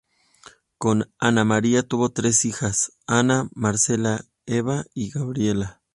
Con Ana María tuvo tres hijas: Ana, Marcela Eva y Gabriela.